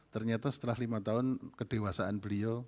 ternyata setelah lima tahun kedewasaan beliau